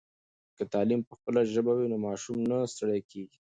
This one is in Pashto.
که تعلیم په خپله ژبه وي نو ماشوم نه ستړی کېږي.